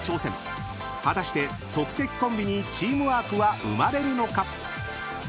［果たして即席コンビにチームワークは生まれるのか？］